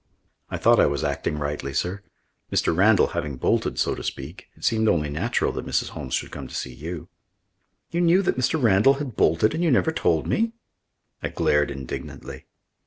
"I thought I was acting rightly, sir. Mr. Randall having bolted, so to speak, it seemed only natural that Mrs. Holmes should come to see you." "You knew that Mr. Randall had bolted and you never told me?" I glared indignantly.